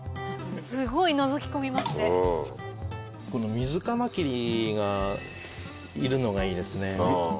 ミズカマキリがいるのがいいですね。